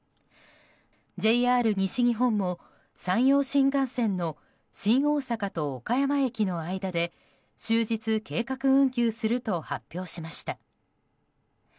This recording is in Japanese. ＪＲ西日本も山陽新幹線の新大阪駅と岡山駅の間で終日、計画運休すると発表しました。